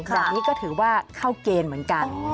แบบนี้ก็ถือว่าเข้าเกณฑ์เหมือนกัน